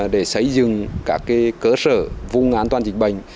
để xây dựng các cơ sở vùng an toàn dịch bệnh